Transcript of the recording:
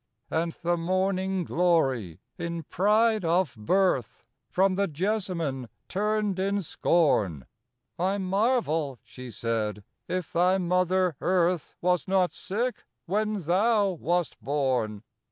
IV And the morning glory, in pride of birth, From the jessamine turned in scorn: "I marvel," she said, "if thy mother earth Was not sick when thou wast born!